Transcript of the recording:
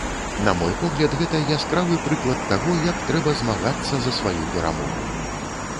На мой погляд, гэта яскравы прыклад таго, як трэба змагацца за сваю перамогу.